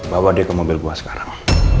bawa dia ke mobil buah sekarang